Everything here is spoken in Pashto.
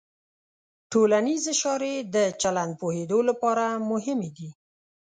ټولنیز اشارې د چلند پوهېدو لپاره مهمې دي.